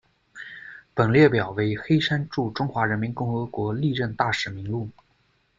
本列表为黑山驻中华人民共和国历任大使名录。